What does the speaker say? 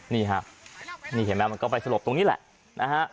นี่ฮะนี่เห็นไหมมันก็ไปสลบตรงนี้แหละนะฮะ